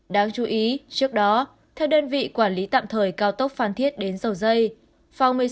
đáng chú ý trước đó theo đơn vị quản lý tạm thời cao tốc phan thiết đến dầu dây